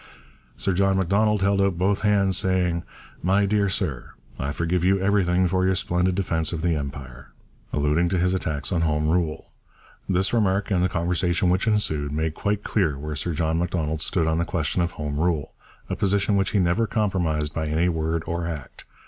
Sir John Macdonald held out both hands saying, 'My dear sir, I forgive you everything for your splendid defence of the Empire,' alluding to his attacks on Home Rule. This remark and the conversation which ensued made quite clear where Sir John Macdonald stood on the question of Home Rule a position which he never compromised by any word or act.